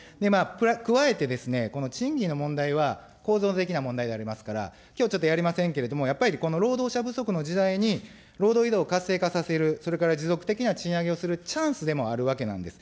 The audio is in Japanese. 加えてですね、この賃金の問題は構造的な問題でありますから、きょうちょっとやりませんけれども、やっぱりこの労働者不足の時代に、労働移動を活性化させる、それから持続的な賃上げをするチャンスでもあるわけなんです。